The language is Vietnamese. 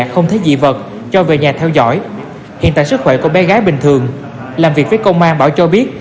không thấy dị vật cho về nhà theo dõi hiện tại sức khỏe của bé gái bình thường làm việc với công an bảo cho biết